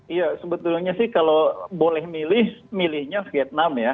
iya sebetulnya sih kalau boleh milih milihnya vietnam ya